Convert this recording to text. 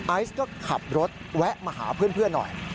ไอซ์ก็ขับรถแวะมาหาเพื่อนหน่อย